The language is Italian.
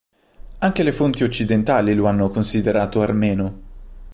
Anche le fonti occidentali lo hanno considerato armeno.